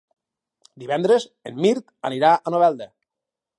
Divendres en Mirt anirà a Novelda.